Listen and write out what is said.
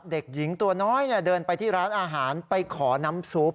เด็กหญิงตัวน้อยเดินไปที่ร้านอาหารไปขอน้ำซุป